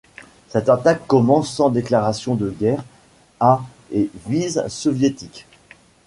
Cette attaque commence sans déclaration de guerre à et vise soviétiques.